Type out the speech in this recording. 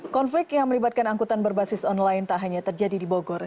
konflik yang melibatkan angkutan berbasis online tak hanya terjadi di bogor